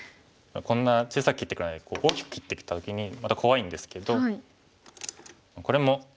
こんな小さく切ってこないでこう大きく切ってきた時にまた怖いんですけどこれも捨てちゃいますね。